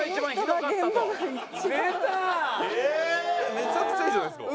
めちゃくちゃいいじゃないですか。